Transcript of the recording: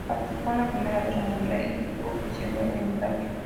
Participó en la primera guerra mundial y estuvo prisionero en Italia.